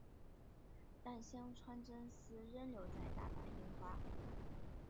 但香川真司仍留在大阪樱花。